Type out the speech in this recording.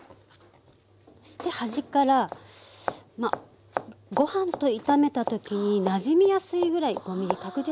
そして端からまあご飯と炒めた時になじみやすいぐらい５ｍｍ角でしょうかね。